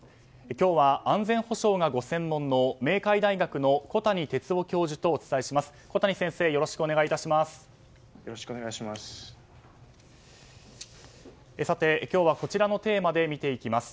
今日は安全保障がご専門の明海大学の小谷哲男教授とお伝えします。